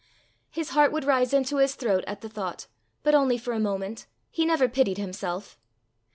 His heart would rise into his throat at the thought, but only for a moment: he never pitied himself.